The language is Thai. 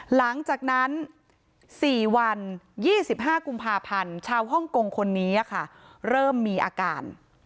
หลังจากนั้น๔วัน๒๕กุมภาพันธ์ชาวฮ่องกงคนนี้เริ่มมีอาการ